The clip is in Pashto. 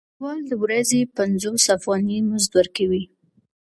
پانګوال د ورځې پنځوس افغانۍ مزد ورکوي